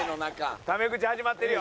タメ口始まってるよ。